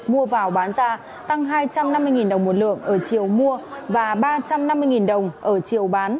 mua vào bán ra tăng hai trăm năm mươi đồng một lượng ở chiều mua và ba trăm năm mươi đồng ở chiều bán